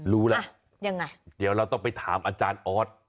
รู้แล้วยังไงเดี๋ยวเราต้องไปถามอาจารย์ออส